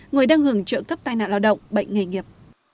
người đang hưởng trợ cấp tai nạn lao động bệnh nghề nghiệp